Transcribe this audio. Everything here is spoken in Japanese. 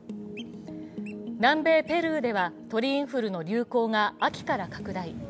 南米ペルーでは鳥インフルの流行が秋から拡大。